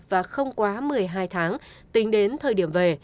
và không quá một mươi hai tháng tính đến thời điểm về